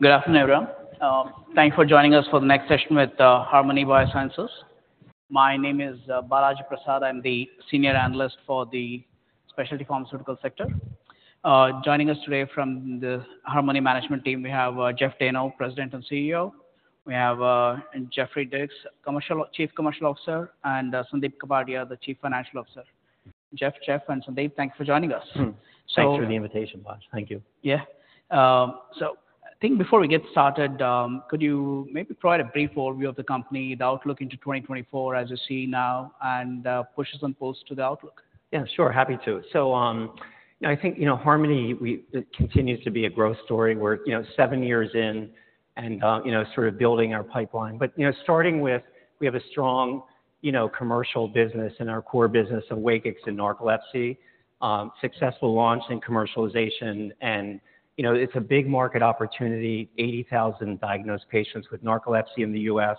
Good afternoon, everyone. Thanks for joining us for the next session with Harmony Biosciences. My name is Balaji Prasad. I'm the senior analyst for the specialty pharmaceutical sector. Joining us today from the Harmony management team, we have Jeff Dayno, President and CEO. We have Jeffrey Dierks, Chief Commercial Officer, and Sandip Kapadia, the Chief Financial Officer. Jeff, Jeff, and Sandip, thank you for joining us. So. Thanks for the invitation, Balaji. Thank you. Yeah. So I think before we get started, could you maybe provide a brief overview of the company, the outlook into 2024 as you see now, and pushes and pulls to the outlook? Yeah, sure. Happy to. So, you know, I think, you know, Harmony, it continues to be a growth story where it's, you know, seven years in and, you know, sort of building our pipeline. But, you know, starting with, we have a strong, you know, commercial business in our core business of WAKIX and narcolepsy, successful launch and commercialization. And, you know, it's a big market opportunity, 80,000 diagnosed patients with narcolepsy in the U.S.,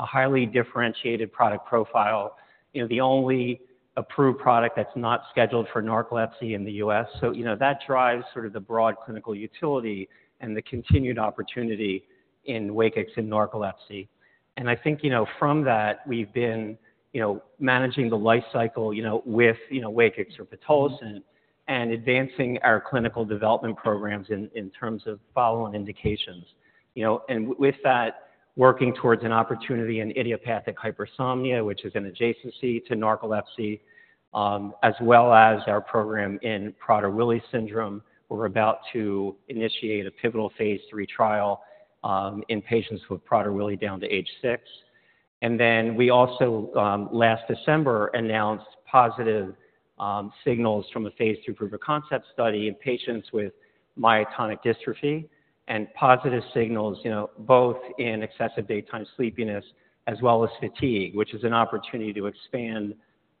a highly differentiated product profile, you know, the only approved product that's not scheduled for narcolepsy in the U.S. So, you know, that drives sort of the broad clinical utility and the continued opportunity in WAKIX and narcolepsy. I think, you know, from that, we've been, you know, managing the life cycle, you know, with, you know, WAKIX or pitolisant and advancing our clinical development programs in terms of follow-on indications, you know. With that, working towards an opportunity in idiopathic hypersomnia, which is an adjacency to narcolepsy, as well as our program in Prader-Willi syndrome. We're about to initiate a pivotal phase 3 trial in patients with Prader-Willi down to age 6. Then we also last December announced positive signals from a phase 3 proof of concept study in patients with myotonic dystrophy and positive signals, you know, both in excessive daytime sleepiness as well as fatigue, which is an opportunity to expand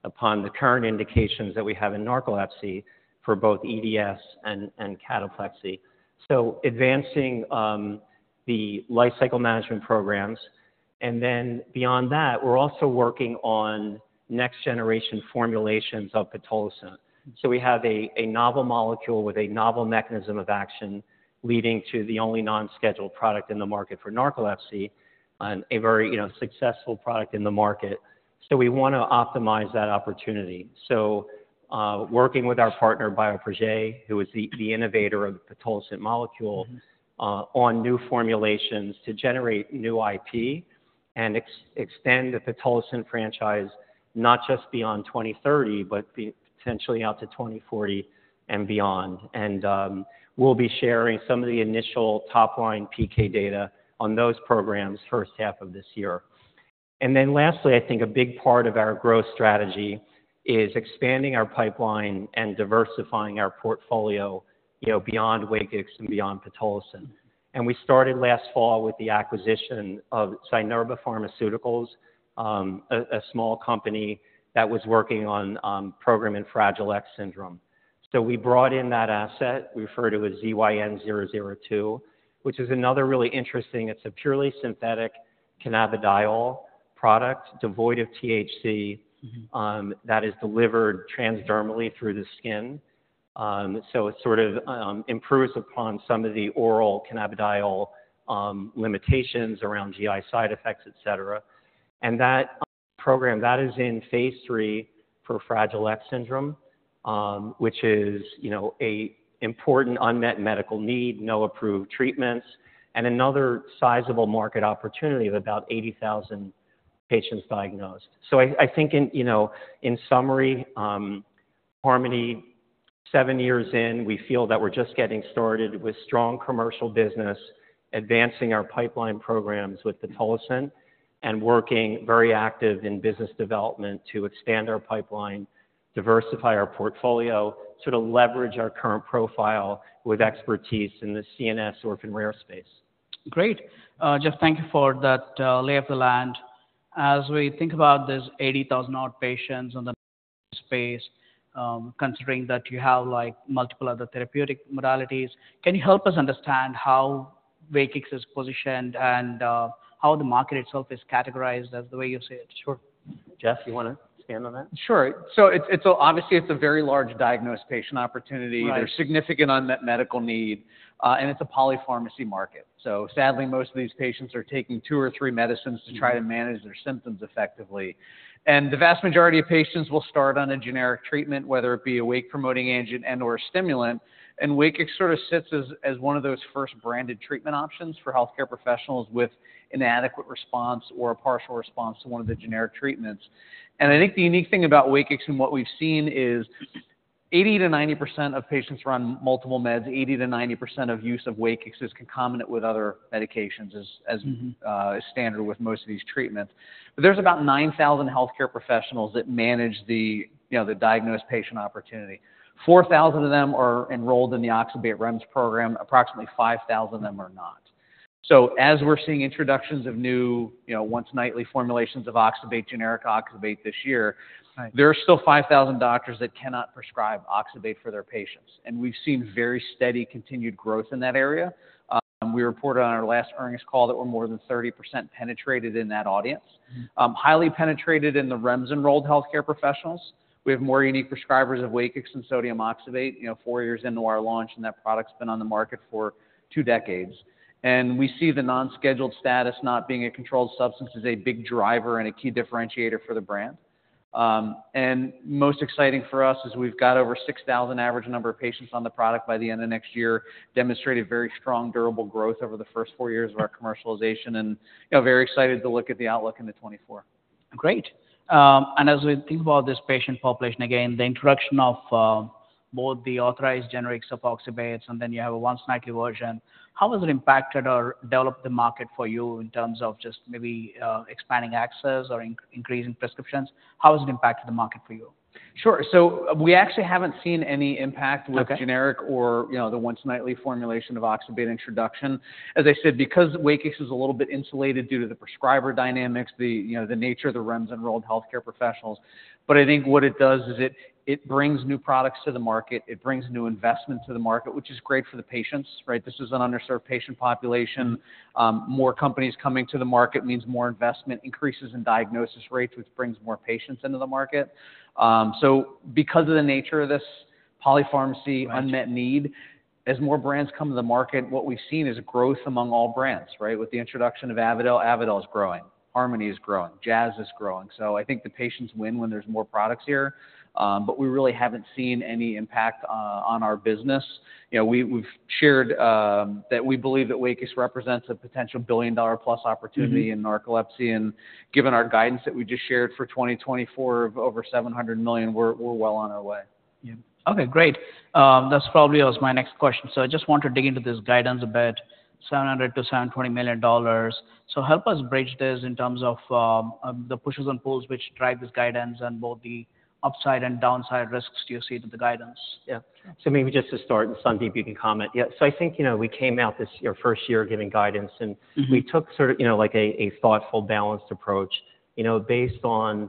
upon the current indications that we have in narcolepsy for both EDS and cataplexy. So advancing the life cycle management programs. Then beyond that, we're also working on next-generation formulations of pitolisant. So we have a novel molecule with a novel mechanism of action leading to the only non-scheduled product in the market for narcolepsy and a very, you know, successful product in the market. So we wanna optimize that opportunity. So, working with our partner, Bioprojet, who is the innovator of the pitolisant molecule, on new formulations to generate new IP and extend the pitolisant franchise not just beyond 2030 but be potentially out to 2040 and beyond. And, we'll be sharing some of the initial top-line PK data on those programs first half of this year. And then lastly, I think a big part of our growth strategy is expanding our pipeline and diversifying our portfolio, you know, beyond WAKIX and beyond pitolisant. And we started last fall with the acquisition of Zynerba Pharmaceuticals, a small company that was working on a program in Fragile X syndrome. So we brought in that asset. We refer to it as ZYN002, which is another really interesting. It's a purely synthetic cannabidiol product, devoid of THC, that is delivered transdermally through the skin. So it sort of improves upon some of the oral cannabidiol limitations around GI side effects, etc. And that program that is in phase 3 for Fragile X syndrome, which is, you know, an important unmet medical need, no approved treatments, and another sizable market opportunity of about 80,000 patients diagnosed. I think, you know, in summary, Harmony, seven years in, we feel that we're just getting started with strong commercial business, advancing our pipeline programs with pitolisant, and working very active in business development to expand our pipeline, diversify our portfolio, sort of leverage our current profile with expertise in the CNS orphan rare space. Great. Jeff, thank you for that, lay of the land. As we think about this 80,000-odd patients in the space, considering that you have, like, multiple other therapeutic modalities, can you help us understand how WAKIX is positioned and, how the market itself is categorized as the way you see it? Sure. Jeff, you wanna expand on that? Sure. So it's obviously a very large diagnosed patient opportunity. Yeah. There's significant unmet medical need, and it's a polypharmacy market. So sadly, most of these patients are taking two or three medicines to try to manage their symptoms effectively. And the vast majority of patients will start on a generic treatment, whether it be a wake-promoting agent and/or a stimulant. And WAKIX sort of sits as one of those first branded treatment options for healthcare professionals with inadequate response or a partial response to one of the generic treatments. And I think the unique thing about WAKIX and what we've seen is 80%-90% of patients run multiple meds. 80%-90% of use of WAKIX is concomitant with other medications as is standard with most of these treatments. But there's about 9,000 healthcare professionals that manage the, you know, the diagnosed patient opportunity. 4,000 of them are enrolled in the Oxybate REMS program. Approximately 5,000 of them are not. So as we're seeing introductions of new, you know, once-nightly formulations of oxybate, generic oxybate this year, there are still 5,000 doctors that cannot prescribe oxybate for their patients. And we've seen very steady continued growth in that area. We reported on our last earnings call that we're more than 30% penetrated in that audience, highly penetrated in the REMS-enrolled healthcare professionals. We have more unique prescribers of WAKIX and sodium oxybate, you know, four years into our launch, and that product's been on the market for two decades. And we see the non-scheduled status not being a controlled substance as a big driver and a key differentiator for the brand. Most exciting for us is we've got over 6,000 average number of patients on the product by the end of next year, demonstrated very strong, durable growth over the first four years of our commercialization, and, you know, very excited to look at the outlook into 2024. Great. As we think about this patient population, again, the introduction of both the authorized generics of oxybates and then you have a once-nightly version, how has it impacted or developed the market for you in terms of just maybe expanding access or increasing prescriptions? How has it impacted the market for you? Sure. So we actually haven't seen any impact with generic or, you know, the once-nightly formulation of oxybate introduction. As I said, because WAKIX is a little bit insulated due to the prescriber dynamics, the, you know, the nature of the REMS-enrolled healthcare professionals. But I think what it does is it brings new products to the market. It brings new investment to the market, which is great for the patients, right? This is an underserved patient population. More companies coming to the market means more investment, increases in diagnosis rates, which brings more patients into the market. So because of the nature of this polypharmacy unmet need, as more brands come to the market, what we've seen is growth among all brands, right? With the introduction of Avadel, Avadel's growing. Harmony is growing. Jazz is growing. So I think the patients win when there's more products here. But we really haven't seen any impact on our business. You know, we've shared that we believe that WAKIX represents a potential billion-dollar-plus opportunity in narcolepsy. And given our guidance that we just shared for 2024 of over $700 million, we're well on our way. Yeah. Okay. Great. That was probably my next question. So I just want to dig into this guidance a bit, $700M-$720M. So help us bridge this in terms of the pushes and pulls which drive this guidance and both the upside and downside risks do you see to the guidance? Yeah. So maybe just to start, and Sandip, you can comment. Yeah. So I think, you know, we came out this, our first year giving guidance, and we took sort of, you know, like a, a thoughtful, balanced approach, you know, based on,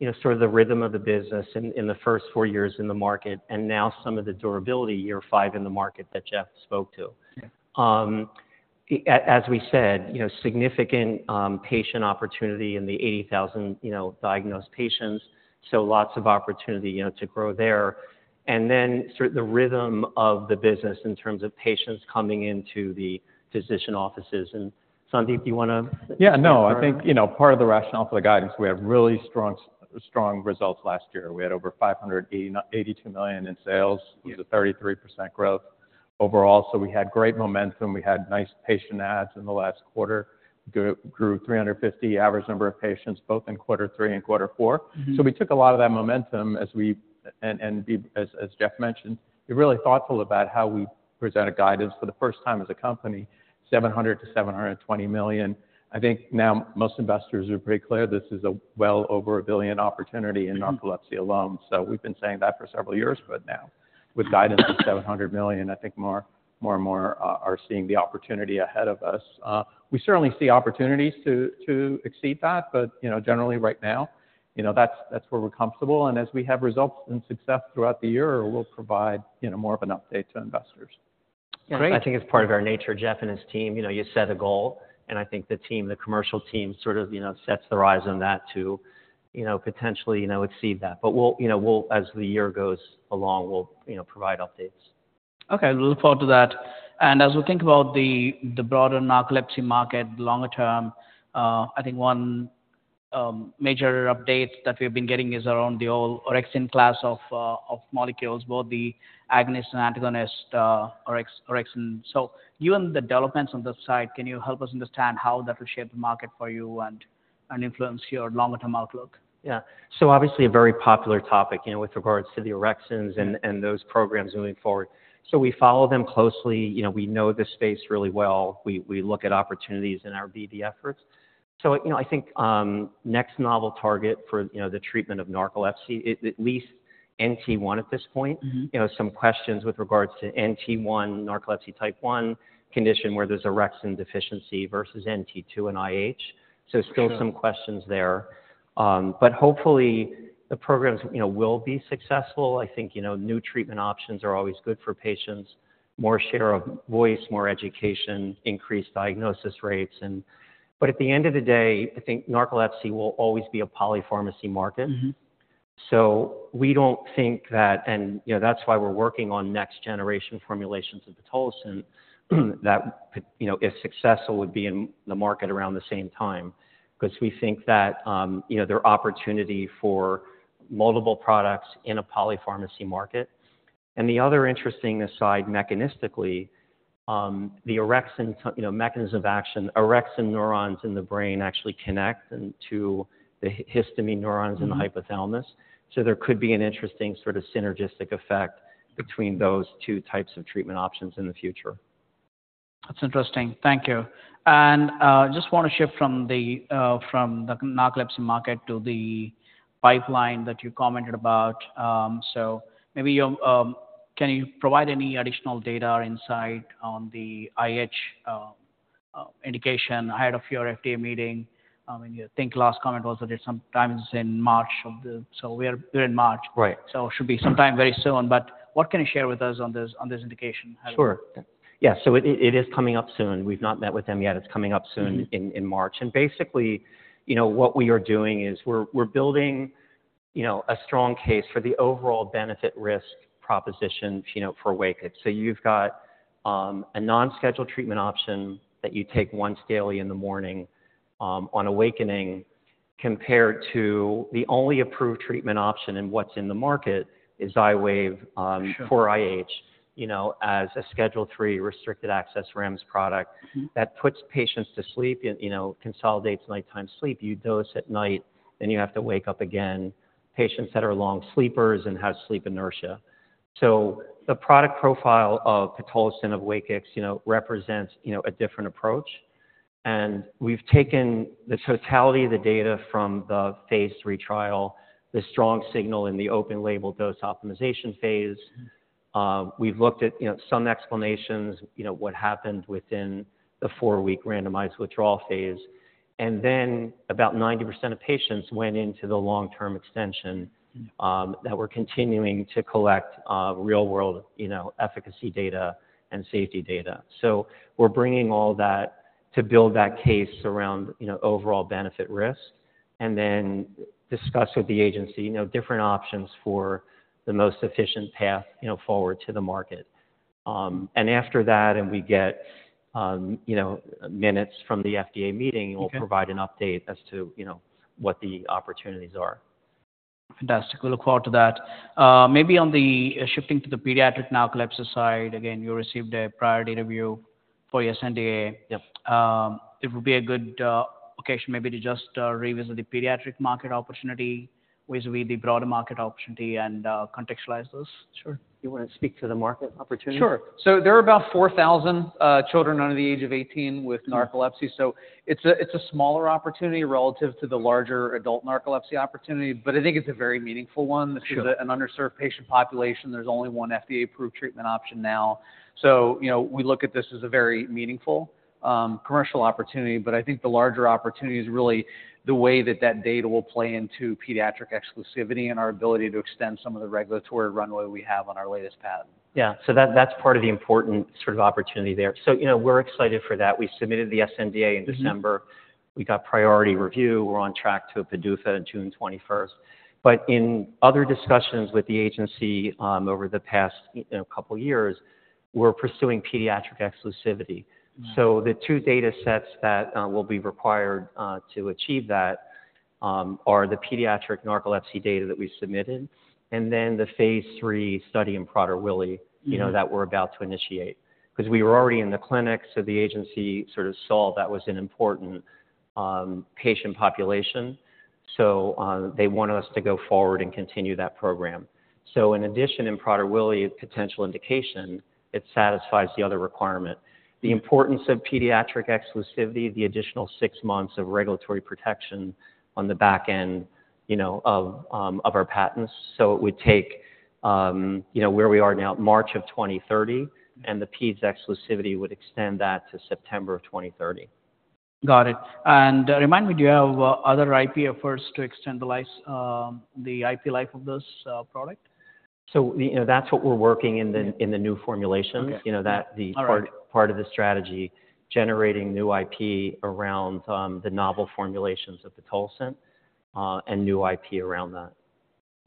you know, sort of the rhythm of the business in, in the first four years in the market and now some of the durability, year five in the market that Jeff spoke to. As we said, you know, significant patient opportunity in the 80,000, you know, diagnosed patients. So lots of opportunity, you know, to grow there. And then sort of the rhythm of the business in terms of patients coming into the physician offices. And Sandip, do you wanna? Yeah. No. I think, you know, part of the rationale for the guidance, we had really strong results last year. We had over $589.82 million in sales. It was a 33% growth overall. So we had great momentum. We had nice patient adds in the last quarter. Grew 350 average number of patients, both in quarter three and quarter four. So we took a lot of that momentum as we and, and be as, as Jeff mentioned, be really thoughtful about how we presented guidance for the first time as a company, $700 million-$720 million. I think now most investors are pretty clear this is a well over a $1 billion opportunity in narcolepsy alone. So we've been saying that for several years, but now with guidance of $700 million, I think more, more and more, are seeing the opportunity ahead of us. We certainly see opportunities to, to exceed that. But, you know, generally right now, you know, that's, that's where we're comfortable. And as we have results and success throughout the year, we'll provide, you know, more of an update to investors. Yeah. Great. I think it's part of our nature, Jeff and his team. You know, you set a goal. I think the team, the commercial team sort of, you know, sets the rise on that to, you know, potentially, you know, exceed that. But we'll, you know, as the year goes along, we'll, you know, provide updates. Okay. Look forward to that. As we think about the broader narcolepsy market longer term, I think one major update that we've been getting is around the orexin class of molecules, both the agonist and antagonist, orexin. So given the developments on this side, can you help us understand how that will shape the market for you and influence your longer-term outlook? Yeah. So obviously a very popular topic, you know, with regards to the orexins and those programs moving forward. So we follow them closely. You know, we know this space really well. We look at opportunities in our BD efforts. So, you know, I think next novel target for, you know, the treatment of narcolepsy, at least NT1 at this point, you know, some questions with regards to NT1, narcolepsy type 1 condition where there's orexin deficiency versus NT2 and IH. So still some questions there. But hopefully the programs, you know, will be successful. I think, you know, new treatment options are always good for patients, more share of voice, more education, increased diagnosis rates. And but at the end of the day, I think narcolepsy will always be a polypharmacy market. So we don't think that and, you know, that's why we're working on next-generation formulations of pitolisant that, you know, if successful, would be in the market around the same time 'cause we think that, you know, there are opportunity for multiple products in a polypharmacy market. And the other interesting aside mechanistically, the orexin, you know, mechanism of action, orexin neurons in the brain actually connect and to the histamine neurons in the hypothalamus. So there could be an interesting sort of synergistic effect between those two types of treatment options in the future. That's interesting. Thank you. Just wanna shift from the narcolepsy market to the pipeline that you commented about. So maybe you can provide any additional data or insight on the IH indication ahead of your FDA meeting? And your last comment was that it's sometime in March, so we're in March. Right. It should be sometime very soon. What can you share with us on this, on this indication? Sure. Yeah. So it is coming up soon. We've not met with them yet. It's coming up soon in March. And basically, you know, what we are doing is we're building, you know, a strong case for the overall benefit-risk proposition, you know, for WAKIX. So you've got a non-scheduled treatment option that you take once daily in the morning, on awakening compared to the only approved treatment option in what's in the market is Xywav for IH, you know, as a schedule three restricted access REMS product that puts patients to sleep, you know, consolidates nighttime sleep. You dose at night, then you have to wake up again, patients that are long sleepers and have sleep inertia. So the product profile of pitolisant of WAKIX, you know, represents, you know, a different approach. We've taken the totality of the data from the phase 3 trial, the strong signal in the open-label dose optimization phase. We've looked at, you know, some explanations, you know, what happened within the 4-week randomized withdrawal phase. And then about 90% of patients went into the long-term extension, that we're continuing to collect, real-world, you know, efficacy data and safety data. So we're bringing all that to build that case around, you know, overall benefit-risk and then discuss with the agency, you know, different options for the most efficient path, you know, forward to the market. And after that, and we get, you know, minutes from the FDA meeting, we'll provide an update as to, you know, what the opportunities are. Fantastic. We look forward to that. Maybe on the shifting to the pediatric narcolepsy side, again, you received a priority review for your sNDA. Yep. It would be a good occasion maybe to just revisit the pediatric market opportunity with the broader market opportunity and contextualize this. Sure. You wanna speak to the market opportunity? Sure. So there are about 4,000 children under the age of 18 with narcolepsy. So it's a smaller opportunity relative to the larger adult narcolepsy opportunity. But I think it's a very meaningful one. This is an underserved patient population. There's only one FDA-approved treatment option now. So, you know, we look at this as a very meaningful commercial opportunity. But I think the larger opportunity is really the way that that data will play into pediatric exclusivity and our ability to extend some of the regulatory runway we have on our latest patent. Yeah. So that, that's part of the important sort of opportunity there. So, you know, we're excited for that. We submitted the SNDA in December. We got priority review. We're on track to a PDUFA on June 21st. But in other discussions with the agency, over the past, you know, couple of years, we're pursuing pediatric exclusivity. So the two data sets that, will be required, to achieve that, are the pediatric narcolepsy data that we submitted and then the phase three study in Prader-Willi, you know, that we're about to initiate 'cause we were already in the clinic. So the agency sort of saw that was an important, patient population. So, they wanted us to go forward and continue that program. So in addition, in Prader-Willi, potential indication, it satisfies the other requirement, the importance of pediatric exclusivity, the additional six months of regulatory protection on the back end, you know, of, of our patents. So it would take, you know, where we are now, March of 2030, and the peds exclusivity would extend that to September of 2030. Got it. And remind me, do you have other IP efforts to extend the life, the IP life of this product? So, you know, that's what we're working on the new formulations, you know, that's part of the strategy, generating new IP around the novel formulations of pitolisant, and new IP around that.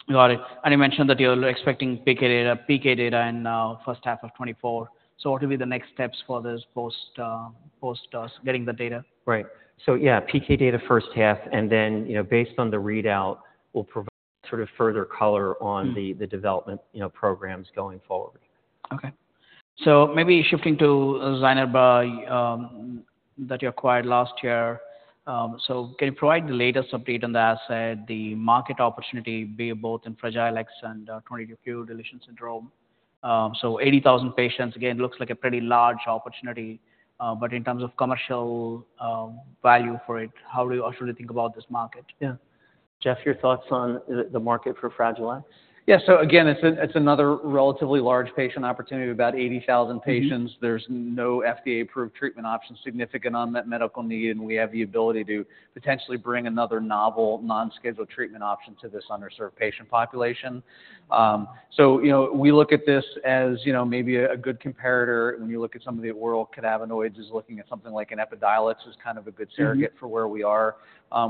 Got it. You mentioned that you're expecting PK data, PK data in first half of 2024. What will be the next steps for this post us getting the data? Right. So yeah, PK data first half. And then, you know, based on the readout, we'll provide sort of further color on the development, you know, programs going forward. Okay. So maybe shifting to Zynerba, that you acquired last year. So can you provide the latest update on the asset, the market opportunity, be it both in Fragile X and 22q deletion syndrome? So 80,000 patients, again, looks like a pretty large opportunity, but in terms of commercial value for it, how do you or should we think about this market? Yeah. Jeff, your thoughts on the market for Fragile X? Yeah. So again, it's another relatively large patient opportunity, about 80,000 patients. There's no FDA-approved treatment option significant on that medical need. And we have the ability to potentially bring another novel non-scheduled treatment option to this underserved patient population. So, you know, we look at this as, you know, maybe a good comparator when you look at some of the oral cannabinoids, is looking at something like an Epidiolex is kind of a good surrogate for where we are.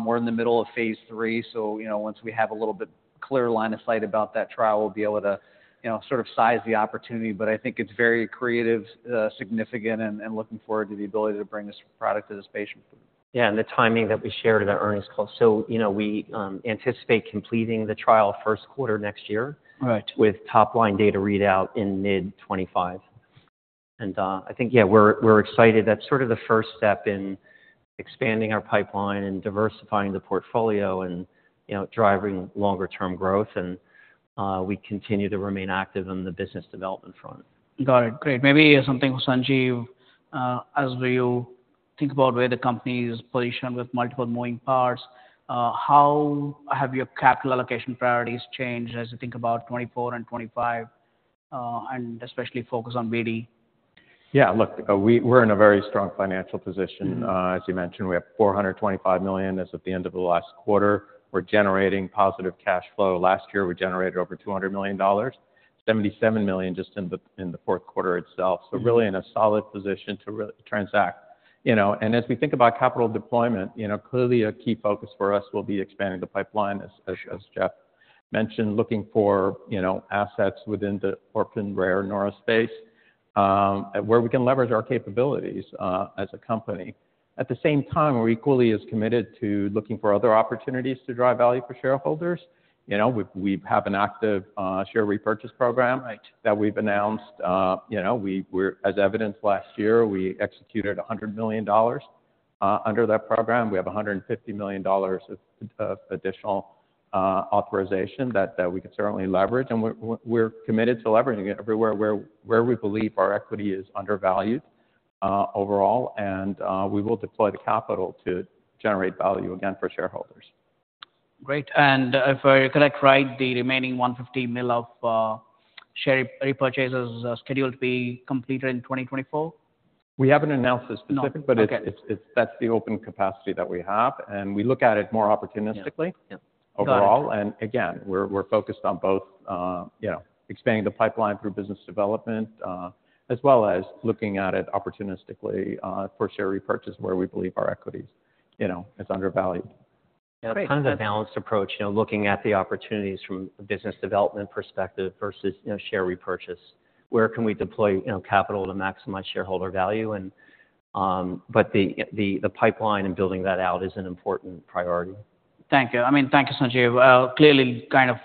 We're in the middle of phase 3. So, you know, once we have a little bit clearer line of sight about that trial, we'll be able to, you know, sort of size the opportunity. But I think it's very creative, significant and looking forward to the ability to bring this product to this patient group. Yeah. And the timing that we shared in our earnings call. So, you know, we anticipate completing the trial first quarter next year. Right. With top-line data readout in mid-2025. I think, yeah, we're excited. That's sort of the first step in expanding our pipeline and diversifying the portfolio and, you know, driving longer-term growth. We continue to remain active on the business development front. Got it. Great. Maybe something, Sandip, as you think about where the company is positioned with multiple moving parts, how have your capital allocation priorities changed as you think about 2024 and 2025, and especially focus on BD? Yeah. Look, we're in a very strong financial position. As you mentioned, we have $425 million as of the end of the last quarter. We're generating positive cash flow. Last year, we generated over $200 million, $77 million just in the fourth quarter itself. So really in a solid position to really transact, you know. And as we think about capital deployment, you know, clearly a key focus for us will be expanding the pipeline, as Jeff mentioned, looking for, you know, assets within the orphaned rare neurospace, where we can leverage our capabilities, as a company. At the same time, we're equally as committed to looking for other opportunities to drive value for shareholders. You know, we have an active share repurchase program. Right. That we've announced, you know. We're, as evidenced last year, we executed $100 million under that program. We have $150 million of additional authorization that we could certainly leverage. And we're committed to leveraging it everywhere where we believe our equity is undervalued overall. We will deploy the capital to generate value again for shareholders. Great. If I recollect right, the remaining $150 million of share repurchases are scheduled to be completed in 2024? We haven't announced a specific, but it's that's the open capacity that we have. And we look at it more opportunistically. Yep. Yep. Overall. And again, we're focused on both, you know, expanding the pipeline through business development, as well as looking at it opportunistically, for share repurchase where we believe our equities, you know, is undervalued. Yeah. It's kind of a balanced approach, you know, looking at the opportunities from a business development perspective versus, you know, share repurchase. Where can we deploy, you know, capital to maximize shareholder value? And, but the pipeline and building that out is an important priority. Thank you. I mean, thank you, Sandip. Clearly kind of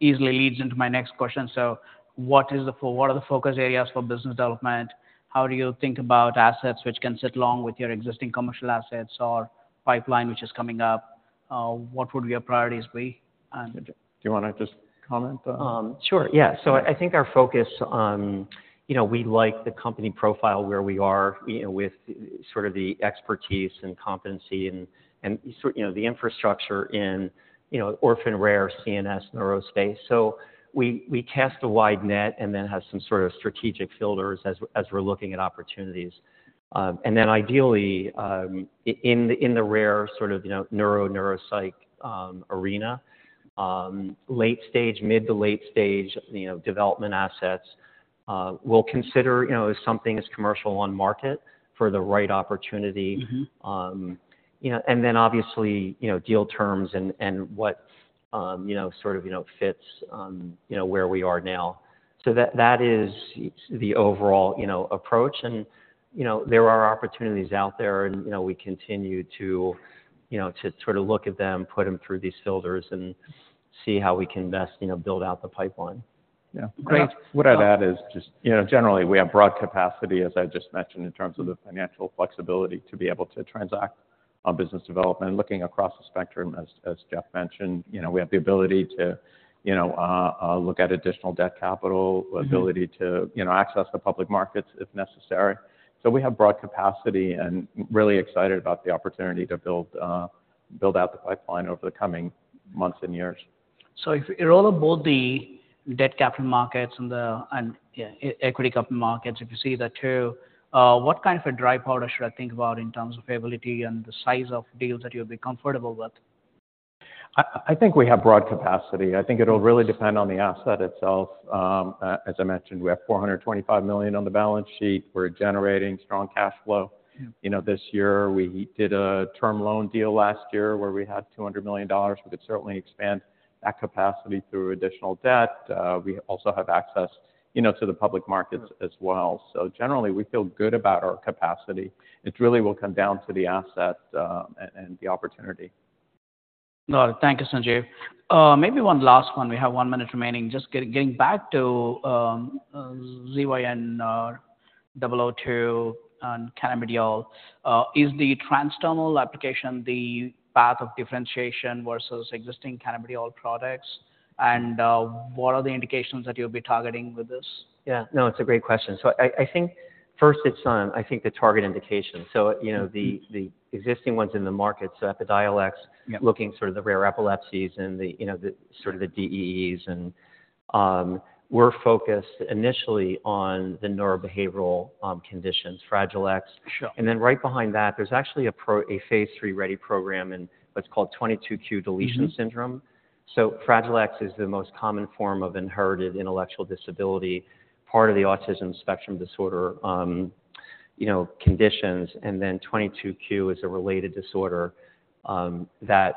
easily leads into my next question. So what is the focus what are the focus areas for business development? How do you think about assets which can sit along with your existing commercial assets or pipeline which is coming up? What would your priorities be? And. Do you wanna just comment? Sure. Yeah. So I think our focus on, you know, we like the company profile where we are, you know, with sort of the expertise and competency and sort, you know, the infrastructure in, you know, orphaned rare CNS neurospace. So we cast a wide net and then have some sort of strategic filters as we're looking at opportunities. And then ideally, in the rare sort of, you know, neuropsych arena, late stage, mid to late stage, you know, development assets, we'll consider, you know, if something is commercial on market for the right opportunity. You know, and then obviously, you know, deal terms and what, you know, sort of, you know, fits, you know, where we are now. So that is the overall, you know, approach. You know, there are opportunities out there. You know, we continue to, you know, to sort of look at them, put them through these filters, and see how we can best, you know, build out the pipeline. Yeah. Great. What I'd add is just, you know, generally, we have broad capacity, as I just mentioned, in terms of the financial flexibility to be able to transact on business development, looking across the spectrum. As Jeff mentioned, you know, we have the ability to, you know, look at additional debt capital, ability to, you know, access the public markets if necessary. So we have broad capacity and really excited about the opportunity to build out the pipeline over the coming months and years. So if it's all about the debt capital markets and, yeah, equity capital markets, if you see that too, what kind of a dry powder should I think about in terms of ability and the size of deals that you'll be comfortable with? I think we have broad capacity. I think it'll really depend on the asset itself. As I mentioned, we have $425 million on the balance sheet. We're generating strong cash flow. You know, this year, we did a term loan deal last year where we had $200 million. We could certainly expand that capacity through additional debt. We also have access, you know, to the public markets as well. So generally, we feel good about our capacity. It really will come down to the asset, and the opportunity. Got it. Thank you, Sanjeev. Maybe one last one. We have one minute remaining. Just getting back to ZYN002 and cannabidiol, is the transdermal application the path of differentiation versus existing cannabidiol products? And, what are the indications that you'll be targeting with this? Yeah. No, it's a great question. So I think first, it's the target indication. So, you know, the existing ones in the market, so Epidiolex, looking sort of the rare epilepsies and the, you know, the sort of the DEEs. And, we're focused initially on the neurobehavioral conditions, Fragile X. And then right behind that, there's actually a phase three ready program in what's called 22q deletion syndrome. So Fragile X is the most common form of inherited intellectual disability, part of the autism spectrum disorder, you know, conditions. And then 22q is a related disorder, that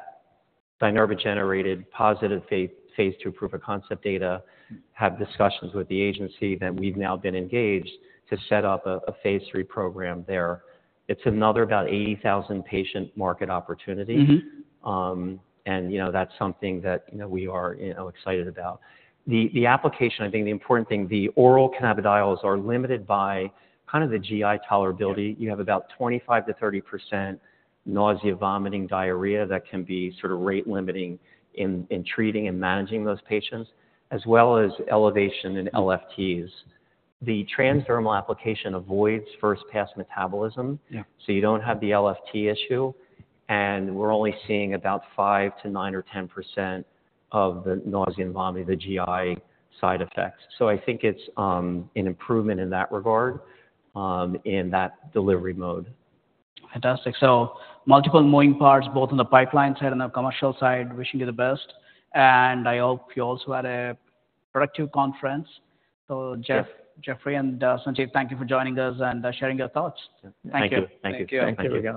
Zynerba generated positive phase two proof of concept data, have discussions with the agency that we've now been engaged to set up a phase three program there. It's another about 80,000 patient market opportunity. you know, that's something that, you know, we are, you know, excited about. The application, I think the important thing, the oral cannabidiols are limited by kind of the GI tolerability. You have about 25%-30% nausea, vomiting, diarrhea that can be sort of rate limiting in treating and managing those patients, as well as elevation in LFTs. The transdermal application avoids first-pass metabolism. So you don't have the LFT issue. And we're only seeing about 5%-9% or 10% of the nausea and vomiting, the GI side effects. So I think it's an improvement in that regard, in that delivery mode. Fantastic. Multiple moving parts, both on the pipeline side and the commercial side. Wishing you the best. I hope you also had a productive conference. Jeff, Jeffrey, and Sandip, thank you for joining us and sharing your thoughts. Thank you. Thank you. Thank you. Thank you.